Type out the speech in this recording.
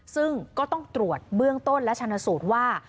ซึ่งก็ต้องตรวจเบื้องต้นและชนสูตรว่า